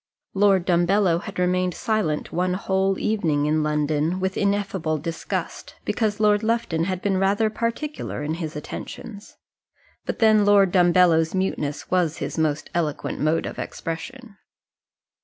Lord Dumbello had remained silent one whole evening in London with ineffable disgust, because Lord Lufton had been rather particular in his attentions; but then Lord Dumbello's muteness was his most eloquent mode of expression.